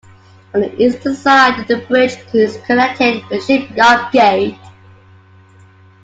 On the eastern side the bridge is connected with shipyard gate.